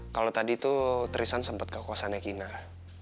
kalo tadi tuh tristan sempet ke kosannya kinar